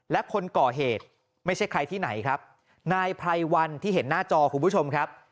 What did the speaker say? และคนก่อเหตุไม่ใช่ใครที่ไหนครับนายไพรวันที่เห็นหน้าจอคุณผู้ชมครับ